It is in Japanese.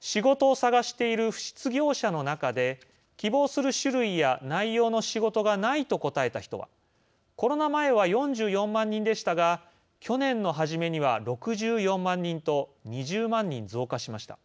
仕事を探している失業者の中で「希望する種類や内容の仕事がない」と答えた人はコロナ前は４４万人でしたが去年のはじめには６４万人と２０万人増加しました。